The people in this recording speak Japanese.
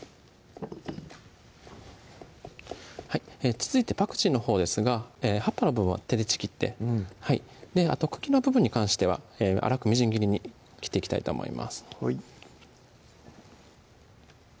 続いてパクチーのほうですが葉っぱの部分は手でちぎってあと茎の部分に関しては粗くみじん切りに切っていきたいと思います